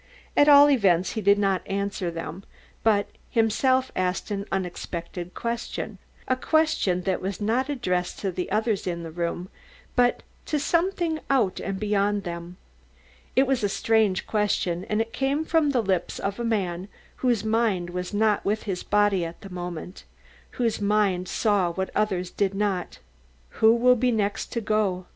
At all events he did not answer them, but himself asked an unexpected question a question that was not addressed to the others in the room, but to something out and beyond them. It was a strange question and it came from the lips of a man whose mind was not with his body at that moment whose mind saw what others did not see. "Who will be the next to go?